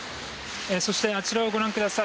そしてあちらをご覧ください。